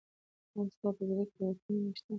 آیا ستا په زړه کې د وطن مینه شته؟